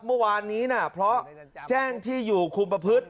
เมื่อวานนี้นะเพราะแจ้งที่อยู่คุมประพฤติ